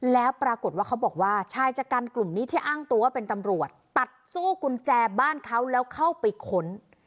แล้วปรากฏว่าเขาบอกว่าชายชะกันกลุ่มนี้ที่อ้างตัวว่าเป็นตำรวจตัดสู้กุญแจบ้านเขาแล้วเข้าไปค้น